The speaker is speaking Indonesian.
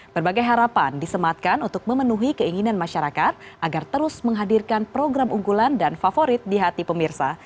berbagai harapan disematkan untuk memenuhi keinginan masyarakat agar terus menghadirkan program unggulan dan favorit di hati pemirsa